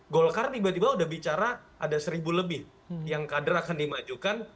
golkar tiba tiba udah bicara ada seribu lebih yang kader akan dimajukan